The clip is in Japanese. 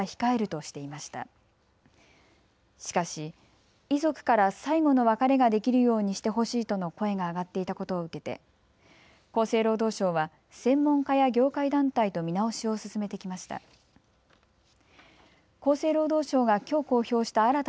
しかし、遺族から最後の別れができるようにしてほしいとの声が上がっていたことを受けて厚生労働省は専門家や業界団体と見直しを進めてきました。